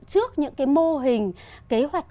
trước những mô hình kế hoạch